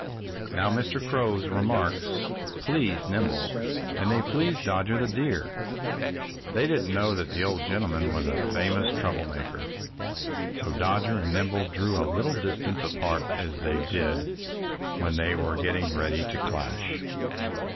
Now, Mr. Crow's remarks pleased Nimble. And they pleased Dodger the Deer. They didn't know that the old gentleman was a famous trouble maker. So Dodger and Nimble drew a little distance apart, as they always did when they were getting ready to clash.